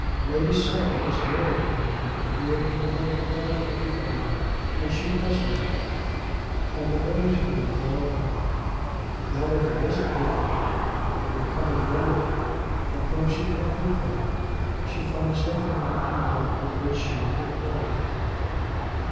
Lady Sarah is more than content to be able to love the mother of the heir, and she does love her, and the boy too, with all her heart. Now that there is a Popenjoy, a coming Brotherton, of whom she can be proud, she finds nothing in her own life with which she ought to quarrel.